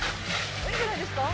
いいんじゃないですか？